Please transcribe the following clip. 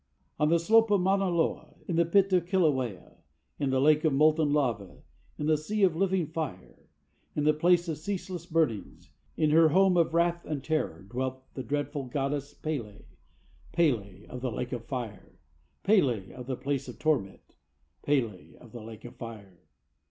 On the slope of Mauna Loa, in the pit of Kilauea, In the lake of molten lava, in the sea of living fire, In the place of Ceaseless Burnings, in her home of Wrath and Terror, Dwelt the dreadful goddess P├®l├® P├®l├® of the Lake of Fire; P├®l├® of the place of torment, P├®l├® of the Lake of Fire.